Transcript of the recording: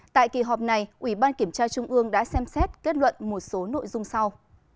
tại kỳ họp này ủy ban kiểm tra trung ương đã xem xét kết luận một số nội dung sau